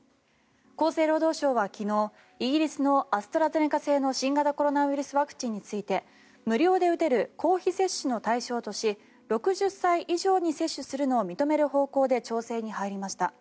厚生労働省は昨日イギリスのアストラゼネカ製の新型コロナウイルスワクチンについて無料で打てる公費接種の対象とし６０歳以上に接種するのを認める方向で調整に入りました。